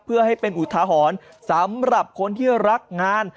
เพื่อให้เป็นอุทาหรณ์สำหรับคนที่รักงาน